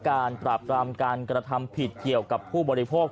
การปราบรามการกระทำผิดเกี่ยวกับผู้บริโภค